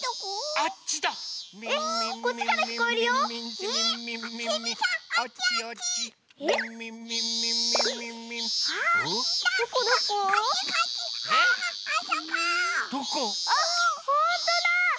あっほんとだ！